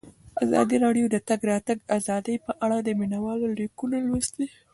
ازادي راډیو د د تګ راتګ ازادي په اړه د مینه والو لیکونه لوستي.